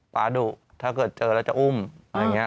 ปาดุถ้าเกิดเจอแล้วจะอุ้มอะไรอย่างนี้